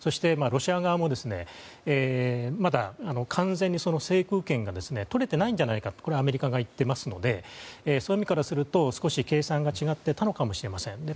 ロシア側も、まだ完全に制空権がとれていないんじゃないかとアメリカが言ってますのでそういう意味からすると少し計算が違っていたのかもしれません。